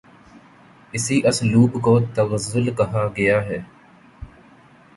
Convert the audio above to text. اسی اسلوب کو تغزل کہا گیا ہے